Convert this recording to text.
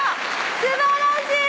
素晴らしい！